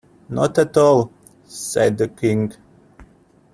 ‘Not at all,’ said the King.